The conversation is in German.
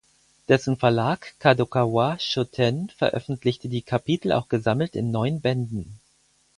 Dessen Verlag Kadokawa Shoten veröffentlichte die Kapitel auch gesammelt in neun Bänden.